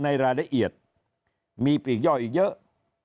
ในรายละเอียดมีปลีกย่อยอีกเยอะ